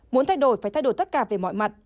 muốn thay đổi phải thay đổi tất cả về mọi mặt